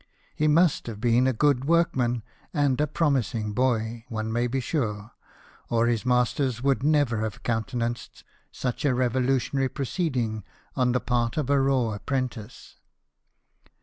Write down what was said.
He must hav<i been a good workman and a promising boy, one may be sure, or his masters would never have countenanced such a revolutionary proceeding on the part of a raw apprentice.